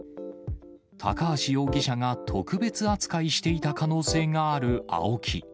高橋容疑者が特別扱いしていた可能性があるＡＯＫＩ。